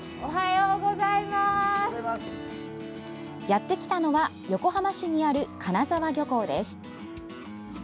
やってきたのは横浜市にある金沢漁港です。